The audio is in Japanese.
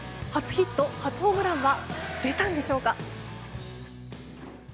初ヒット初ホームランは出たんでしょうか？